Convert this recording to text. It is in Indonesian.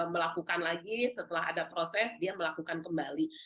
melakukan lagi setelah ada proses dia melakukan kembali